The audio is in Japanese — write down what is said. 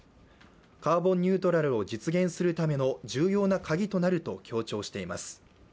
カーボンニュートラルを実現するための重要なカギとなると強調しています。